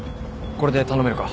これで頼めるか？